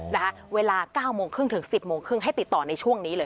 นะคะเวลา๙โมงครึ่งถึง๑๐โมงครึ่งให้ติดต่อในช่วงนี้เลย